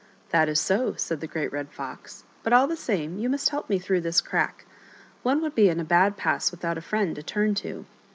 " That is so," said the Great Red Fox, " but, all the same, you must help me through this crack. One would be in a bad pass without a friend to turn to."